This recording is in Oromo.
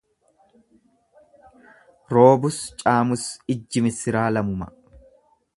Roobus caamus ijji missiraa lamuma.